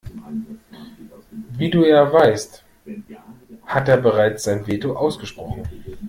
Wie du ja weißt, hat er bereits sein Veto ausgesprochen.